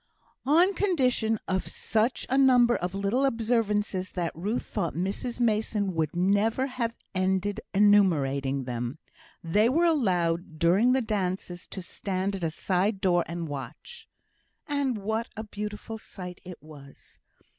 "On condition" of such a number of little observances that Ruth thought Mrs Mason would never have ended enumerating them, they were allowed during the dances to stand at a side door and watch. And what a beautiful sight it was!